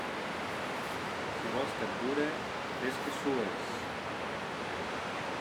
Si vols que et dure, fes que sues.